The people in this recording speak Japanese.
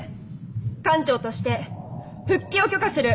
艦長として復帰を許可する。